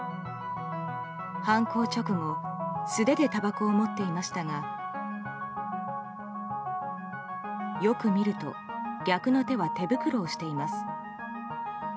犯行直後、素手でたばこを持っていましたがよく見ると逆の手は手袋をしています。